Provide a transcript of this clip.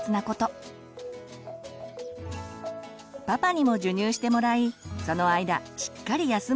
パパにも授乳してもらいその間しっかり休むようにしましょう。